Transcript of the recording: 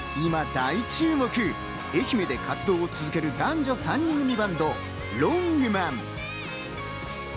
今、大注目、愛媛で活動を続ける男女３人組バンドＬＯＮＧＭＡＮ。